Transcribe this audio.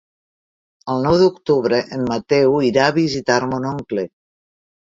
El nou d'octubre en Mateu irà a visitar mon oncle.